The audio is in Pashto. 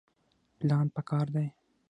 پلان پکار دی